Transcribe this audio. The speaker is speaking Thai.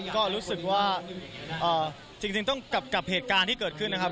ก็รู้สึกว่าจริงต้องกับเหตุการณ์ที่เกิดขึ้นนะครับ